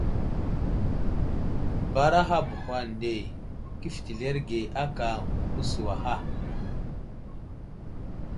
Baraha bəhwa nde kéfetileerege ákà mə́suwaha.